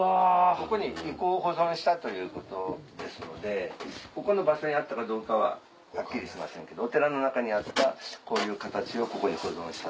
ここに遺構を保存したということですのでここの場所にあったかどうかははっきりしませんけどお寺の中にあったこういう形をここに保存した。